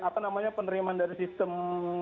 apa namanya penerimaan dari sistem